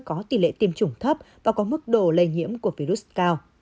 có tỷ lệ tiêm chủng thấp và có mức độ lây nhiễm của virus cao